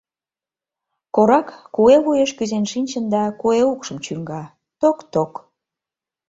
Корак куэ вуйыш кӱзен шинчын да куэ укшым чӱҥга: ток-ток.